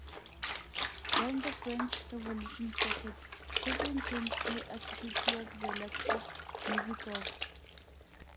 When the French Revolution started, Catherine changed her attitude towards the likes of Novikov.